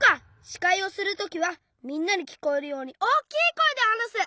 しかいをするときはみんなにきこえるようにおおきいこえではなす！